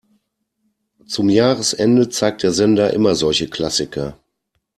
Zum Jahresende zeigt der Sender immer solche Klassiker.